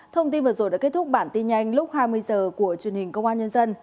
thông tin vừa rồi đã kết thúc bản tin nhanh lúc hai mươi h của truyền hình công an nhân dân